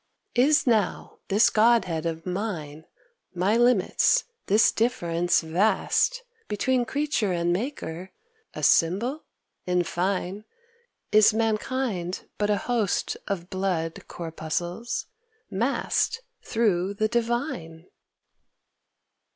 Is, now, this godhead of mine, My limits, this difference vast Between creature and maker, a symbol? In fine Is mankind but a host of blood corpuscles, massed Through the Divine?